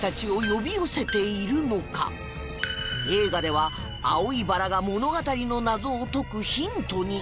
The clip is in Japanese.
映画では青いバラが物語の謎を解くヒントに！